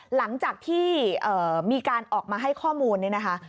หลังจากที่มีการออกมาให้ข้อมูลเนี่ยนะคะ